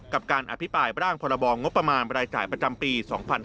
กับการอภิปรายร่างพรบงบประมาณรายจ่ายประจำปี๒๕๕๙